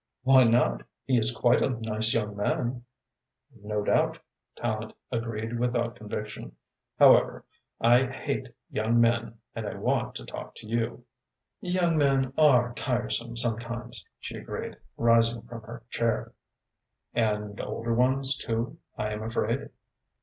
"Why not? He is quite a nice young man." "No doubt," Tallente agreed, without conviction. "However, I hate young men and I want to talk to you." "Young men are tiresome sometimes," she agreed, rising from her chair. "And older ones too, I am afraid!"